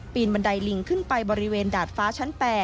บันไดลิงขึ้นไปบริเวณดาดฟ้าชั้น๘